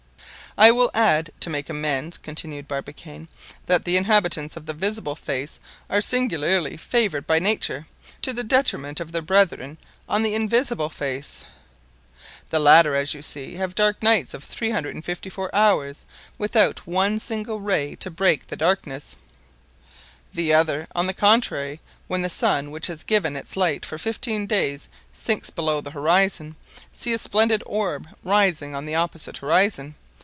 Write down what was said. "I will add, to make amends," continued Barbicane, "that the inhabitants of the visible face are singularly favored by nature, to the detriment of their brethren on the invisible face. The latter, as you see, have dark nights of 354 hours, without one single ray to break the darkness. The other, on the contrary, when the sun which has given its light for fifteen days sinks below the horizon, see a splendid orb rise on the opposite horizon.